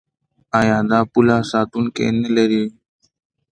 آیا دا پوله ساتونکي نلري؟